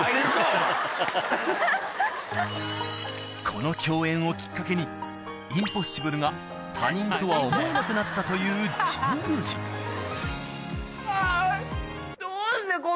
この共演をきっかけにインポッシブルが他人とは思えなくなったという神宮寺あぁ。